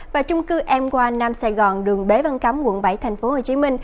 và trung cư em qua nam sài gòn đường bế văn cắm quận bảy tp hcm